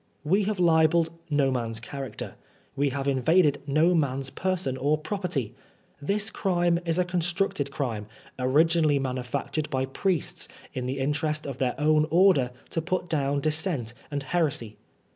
.We have libelled no man's chiu^acter, we have invaded no man's person or property. This crime is a con structed crime, originally manufactured by priests in the interest of their own order to put down dissent and heresy.